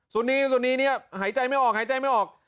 สุนีนี่หายใจไม่ออก